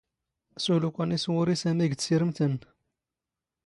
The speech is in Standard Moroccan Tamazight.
ⵙⵓⵍ ⵓⴽⴰⵏ ⵉⵙⵡⵓⵔⵉ ⵙⴰⵎⵉ ⴳ ⵜⵙⵉⵔⵎⵜ ⴰⵏⵏ.